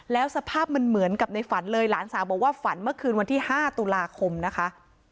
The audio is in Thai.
แล้วสภาพมันเหมือนกับในฝันเลยหลานสาวบอกว่าฝันเมื่อคืนวันที่๕ตุลาคมนะคะ